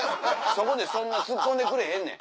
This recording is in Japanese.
そこでそんなツッコんでくれへんねん。